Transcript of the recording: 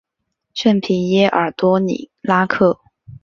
圣皮耶尔多里拉克。